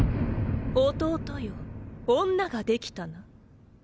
弟よ女ができたな。